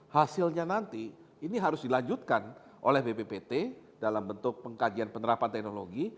hasilnya nanti ini harus dilanjutkan oleh bppt dalam bentuk pengkajian penerapan teknologi